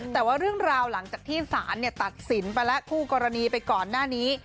แต่ว่าเรื่องราวหลังจากที่สารตัดสินไปแล้วคู่กรณีไปก่อนหน้านี้